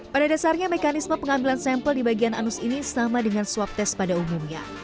pada dasarnya mekanisme pengambilan sampel di bagian anus ini sama dengan swab test pada umumnya